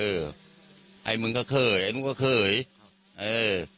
ไอ้มึงก็เคยไอ้มึงก็เคยครับเออ